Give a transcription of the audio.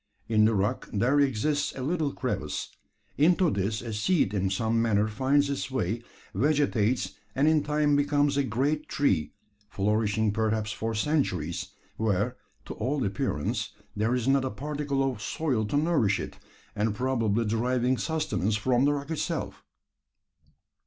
In the rock there exists a little crevice. Into this a seed in some manner finds its way, vegetates, and in time becomes a great tree flourishing perhaps for centuries, where, to all appearance, there is not a particle of soil to nourish it, and probably deriving sustenance from the rock itself!